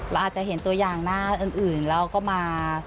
เราอาจจะเห็นตัวอย่างหน้าอื่นแล้วก็มา